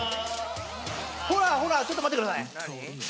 ほらほらちょっと待ってください。